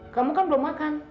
kamu kan belum makan